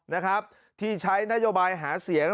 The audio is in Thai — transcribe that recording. นะครับที่ใช้นโยบายหาเสียง